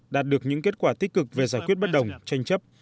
đạt được những kết quả tích cực về giải quyết bất đồng tranh chấp